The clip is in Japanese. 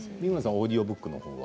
オーディオブックは？